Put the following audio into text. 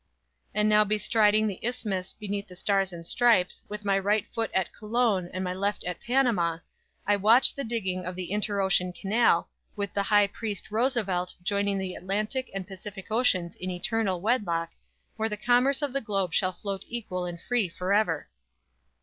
"_ And now bestriding the Isthmus beneath the Stars and Stripes, with my right foot at Colon and left foot at Panama, I watch the digging of the interocean canal, with the High Priest Roosevelt joining the Atlantic and Pacific oceans in eternal wedlock, where the commerce of the globe shall float equal and free forever!